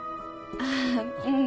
ああうん。